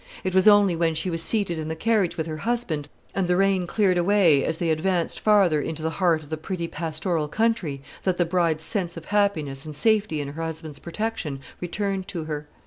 It was only when she was seated in the carriage with her husband, and the rain cleared away as they advanced farther into the heart of the pretty pastoral country, that the bride's sense of happiness and safety in her husband's protection, returned to her.